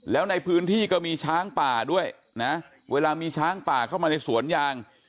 แล้วในพื้นที่ก็มีช้างป่าด้วยนะเวลามีช้างป่าเข้ามาในสวนยาง